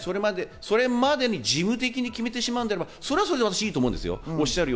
それまでに事務的に決めてしまうなら、それはそれで私はいいと思います。